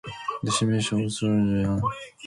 The simulation was done in rounds.